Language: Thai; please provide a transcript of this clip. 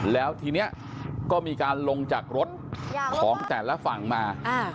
แล้วทีนี้ก็มีการลงจากรถของแต่ละฝั่งมา